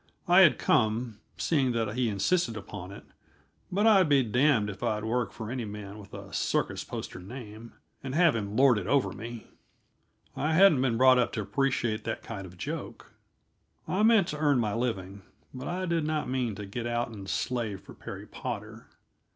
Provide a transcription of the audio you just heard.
I had come, seeing that he insisted upon it, but I'd be damned if I'd work for any man with a circus poster name, and have him lord it over me. I hadn't been brought up to appreciate that kind of joke. I meant to earn my living, but I did not mean to get out and slave for Perry Potter.